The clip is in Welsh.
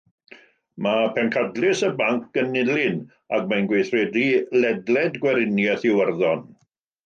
Mae pencadlys y banc yn Nulyn ac mae'n gweithredu ledled Gweriniaeth Iwerddon.